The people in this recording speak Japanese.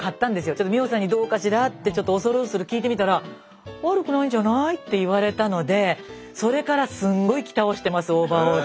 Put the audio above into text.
ちょっと美穂さんにどうかしらって恐る恐る聞いてみたら「悪くないんじゃない」って言われたのでそれからすんごい着倒してますオーバーオール。